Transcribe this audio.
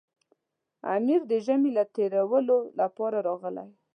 امیر د ژمي له تېرولو لپاره راغی.